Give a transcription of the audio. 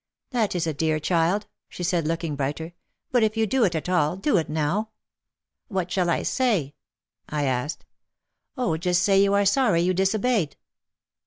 "That is a dear child," she said, look ing brighter, "but if you do it at all, do it now." "What shall I say?" I asked. "Oh, just say you are sorry you disobeyed."